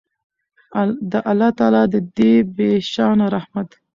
د الله تعالی د دې بې شانه رحمت